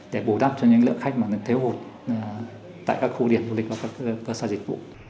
để bù đắp cho những lượng khách mà thêm hụt